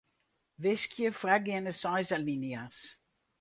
Wiskje foargeande seis alinea's.